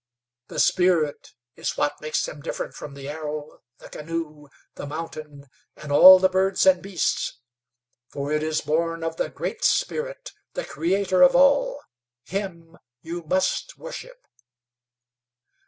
The spirit is what makes him different from the arrow, the canoe, the mountain, and all the birds and beasts. For it is born of the Great Spirit, the creator of all. Him you must worship.